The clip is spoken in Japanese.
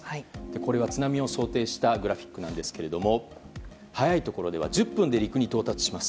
これは津波を想定したグラフィックですけれども早いところでは１０分で陸に到達します。